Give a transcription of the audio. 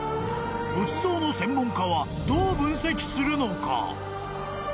［仏像の専門家はどう分析するのか？］